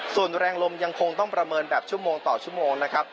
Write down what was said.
ส่วนแรงลมยังคงต้องประเมินแบบชั่วโมงต่อชั่วโมงนะครับ